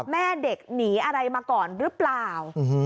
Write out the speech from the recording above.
แม่เด็กหนีอะไรมาก่อนหรือเปล่า